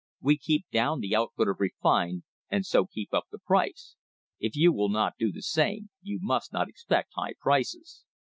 We keep down the output of refined, and so keep up the price. If you will not do the same, you must not expect high prices."